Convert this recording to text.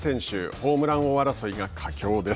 ホームラン王争いが佳境です。